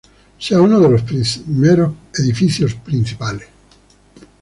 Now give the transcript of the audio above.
Sea uno de los primeros edificios principales.